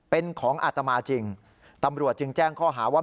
เป็นของอาตมาจริงตำรวจจึงแจ้งข้อหาว่า